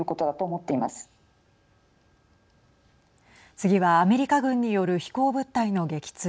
次はアメリカ軍による飛行物体の撃墜。